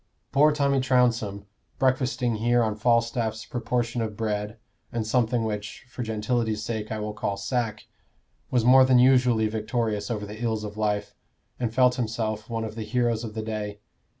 Poor Tommy Trounsem, breakfasting here on Falstaff's proportion of bread, and something which, for gentility's sake, I will call sack, was more than usually victorious over the ills of life, and felt himself one of the heroes of the day.